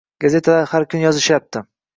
gazetalar har kun yozishyapti